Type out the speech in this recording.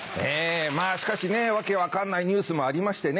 まぁしかしね訳分かんないニュースもありましてね。